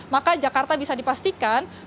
maka jakarta bisa dipastikan